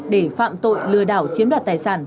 để phạm tội lừa đảo chiếm đoạt tài sản